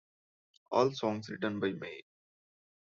All songs written by Mae.